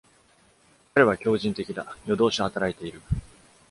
彼は狂人的だ。夜通し働いている。